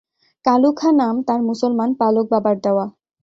কালু খাঁ নাম তাঁর মুসলমান পালক বাবার দেওয়া।